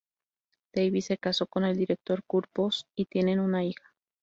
Davis se casó con el director Kurt Voss, y tienen una hija.